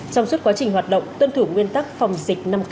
trong suốt quá trình hoạt động tuân thủ nguyên tắc phòng dịch năm